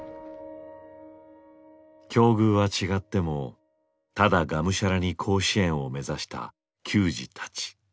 境遇は違ってもただがむしゃらに甲子園を目指した球児たち。